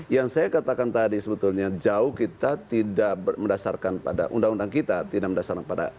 yang saya katakan tadi sebetulnya jauh kita tidak mendasarkan pada undang undang kita tidak mendasarkan pada